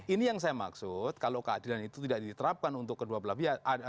ini yang saya maksud kalau keadilan itu tidak diterapkan untuk kedua belah pihak